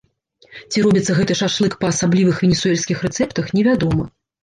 Ці робіцца гэты шашлык па асаблівых венесуэльскіх рэцэптах, невядома.